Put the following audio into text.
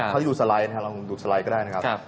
เขาดูสไลด์นะครับเราดูสไลด์ก็ได้นะครับ